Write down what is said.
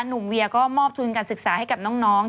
เวียก็มอบทุนการศึกษาให้กับน้อง